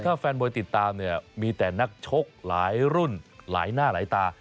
ถ้าแฟนมวยติดตามเนี่ยมีแต่นักชกหลายรุ่นหลายหน้าหลายตา